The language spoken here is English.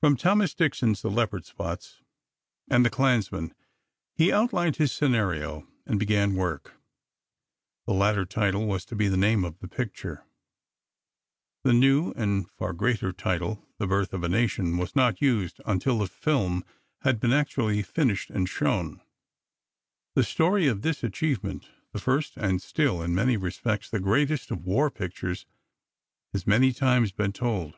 From Thomas Dixon's "The Leopard's Spots" and "The Clansman," he outlined his scenario, and began work. The latter title was to be the name of the picture. The new, and far greater, title, "The Birth of a Nation," was not used until the film had been actually finished and shown. The story of this achievement—the first, and still, in many respects, the greatest, of war pictures—has many times been told.